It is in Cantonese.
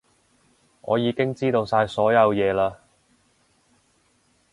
我已經知道晒所有嘢嘞